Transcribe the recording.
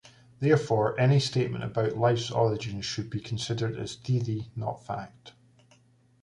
Therefore, any statement about life's origins should be considered as theory, not fact.